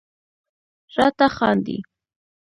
راته خاندي..